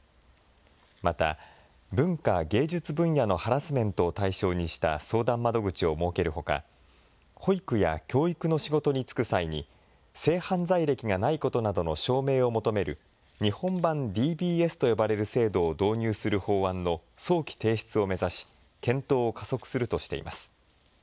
また、文化芸術分野のハラスメントを対象にした相談窓口を設けるほか、保育や教育の仕事に就く際に、性犯罪歴がないことなどの証明を求める日本版ＤＢＳと呼ばれる制度を導入する法案の早期提出を目指し、検討を加速するとしています。